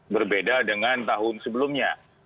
berbeda dengan tahun sebelumnya